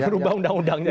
rubah undang undang ya kan